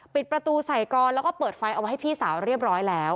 ปิดประตูใส่กรแล้วก็เปิดไฟเอาไว้ให้พี่สาวเรียบร้อยแล้ว